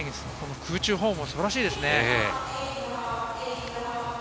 空中フォームも素晴らしいですね。